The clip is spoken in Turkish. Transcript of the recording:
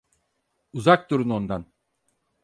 Uzak durun ondan!